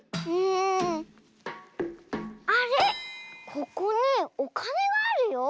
ここにおかねがあるよ。